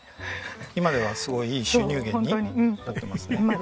今ではすごいいい収入源になってますね。